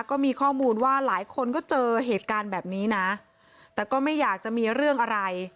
ก็มีข้อมูลว่าหลายคนก็เจอเหตุการณ์แบบนี้นะแต่ก็ไม่อยากจะมีเรื่องอะไร